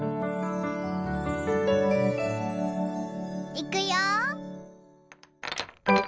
いくよ。